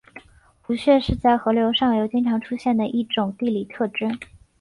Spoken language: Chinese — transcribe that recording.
壶穴是在河流上游经常出现的一种地理特征。